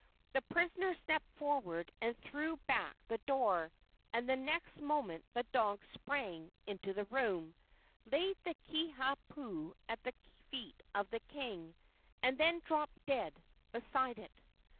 The prisoner stepped forward and threw back the door, and the next moment the dog sprang into the room, laid the Kiha pu at the feet of the king, and then dropped dead beside it.